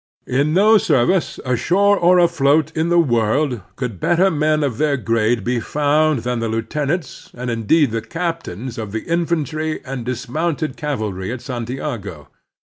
In no service, ashore or afloat, in the world could better men of their grade be fotmd than the lieu tenants, and indeed the captains, of the infantry and dismotmted cavalry at Santiago.